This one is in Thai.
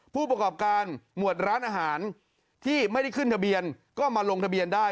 ผู้ประกอบการหมวดร้านอาหารที่ไม่ได้ขึ้นทะเบียนก็มาลงทะเบียนได้